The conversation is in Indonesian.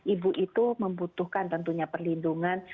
ibu itu membutuhkan tentunya perlindungan